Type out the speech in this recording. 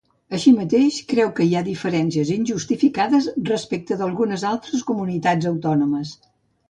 Així mateix, creu que hi ha diferències injustificades respecte d’algunes altres comunitats autònomes.